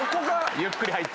ゆっくり入って。